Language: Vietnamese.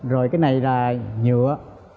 rồi cái này là nhựa